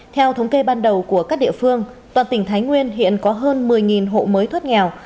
theo thống kê ban đầu của các địa phương toàn tỉnh thái nguyên hiện có hơn một mươi hộ mới thoát nghèo